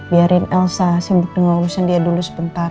biarin elsa sibuk dengan urusan dia dulu sebentar